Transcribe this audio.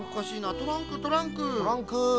トランクトランク。